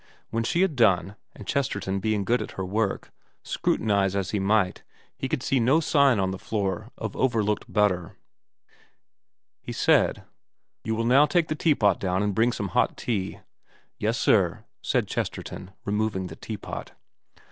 When she had done and Chesterton being good at her work, scrutinise as he might he could see no sign on the floor of overlooked butter he said, ' You will now take the teapot down and bring some hot tea.' ' Yes sir,' said Chesterton, removing the teapot.